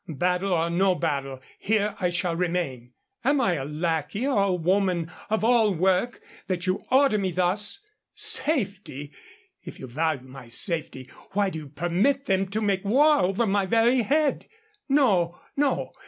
Battle or no battle, here I shall remain. Am I a lackey or a woman of all work that you order me thus! Safety! If you value my safety, why do you permit them to make war over my very head? No, no.